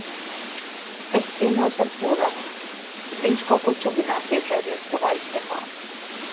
Es cīnos ar puravu, bet viņš kaut ko čubinās, ieslēdzies savā istabā.